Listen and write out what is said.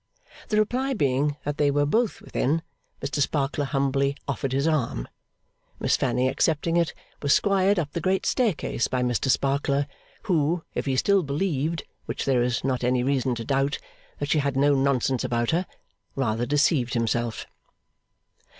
The reply being that they were both within, Mr Sparkler humbly offered his arm. Miss Fanny accepting it, was squired up the great staircase by Mr Sparkler, who, if he still believed (which there is not any reason to doubt) that she had no nonsense about her, rather deceived himself.